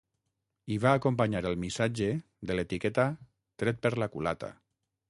I va acompanyar el missatge de l’etiqueta ‘tret per la culata’.